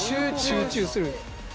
集中する。